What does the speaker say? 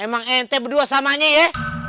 emang ente berdua samanya ya